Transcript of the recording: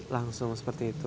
langsung seperti itu